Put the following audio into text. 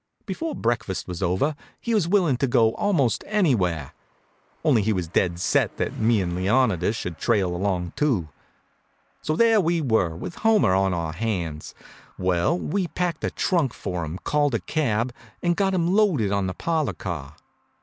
Before breakfast was over he was willing to go almost anywhere, only he was dead set that me and Leonidas should trail along, too. So there we were, with Homer on our hands. Well, we packed a trunk for him, called a cab, and got him loaded on a parlor car.